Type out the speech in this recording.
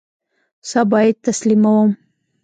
سبا یی تسلیموم